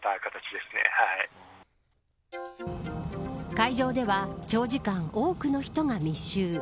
会場では長時間多くの人が密集。